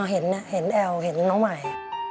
เห็นแอลเห็นน้องใหม่